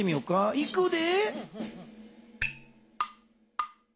いくで。